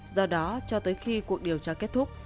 do đó cho tới khi cuộc điều tra kết thúc